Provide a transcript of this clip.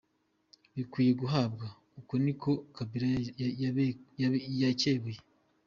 bikwiye guhanwa", uko ni ko Kabila yakebuye.